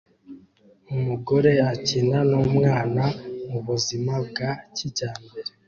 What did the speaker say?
Umugore akina numwana mubuzima bwa kijyambere